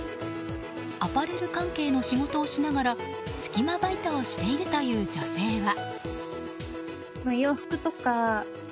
アパレル関係の仕事をしながらスキマバイトをしているという女性は。